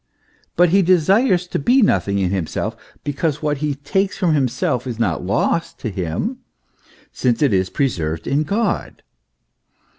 But he desires to be nothing in him self, because what he takes from himself is not lost to him, since it is preserved in God.